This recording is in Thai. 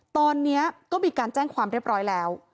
ตอนนี้ก็มีการแจ้งความเรียบร้อยแล้ว